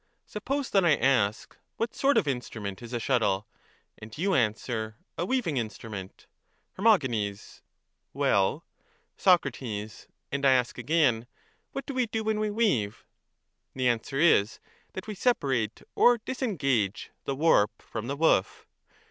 Suppose that I ask, ' What sort of instrument is a shuttle? ' And you answer, ' A weaving instrument.' Her. Well. Soc. And I ask again, 'What do we do when we weave?' — The answer is, that we separate or disengage the warp from the woof.